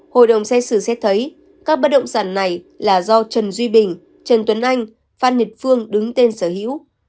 hội đồng xét xử xét thấy các bất động sản này là do trần duy bình trần tuấn anh phan nhật phương đứng tên sở hữu